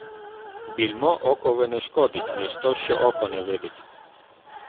Більмо окови не шкодить, лиш то, що око не видить.